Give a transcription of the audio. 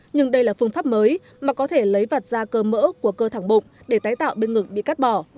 nhưng đây là phương pháp mới mà có thể lấy vặt ra cơ mỡ của cơ thẳng bụng để tái tạo bên ngực bị cắt bỏ